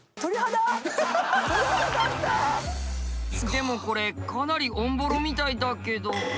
でもこれかなりオンボロみたいだけど。